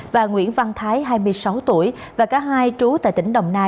và nguyễn văn thái hai mươi sáu tuổi và cả hai trú tại tỉnh đồng nai